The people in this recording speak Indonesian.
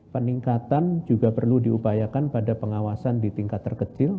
peningkatan juga perlu diupayakan pada pengawasan di tingkat terkecil